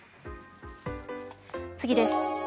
次です。